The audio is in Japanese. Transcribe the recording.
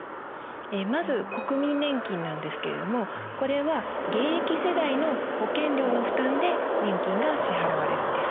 まず国民年金なんですけれどもこれは現役世代の保険料の負担で年金が支払われるんです。